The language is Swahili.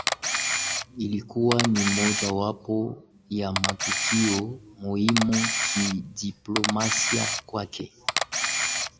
Ilikuwa ni mojawapo ya matukio muhimu kidiplomasia kwake